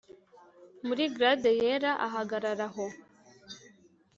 muri glade yera, ahagarara aho,